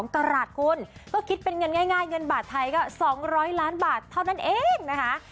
กราชคุณก็คิดเป็นเงินง่ายเงินบาทไทยก็๒๐๐ล้านบาทเท่านั้นเองนะคะ